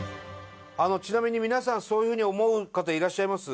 ちなみにみなさんそういうふうに思う方いらっしゃいます？